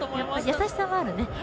優しさもあるね。